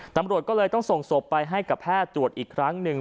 ตำรวจก็เลยต้องส่งศพไปให้กับแพทย์ตรวจอีกครั้งหนึ่ง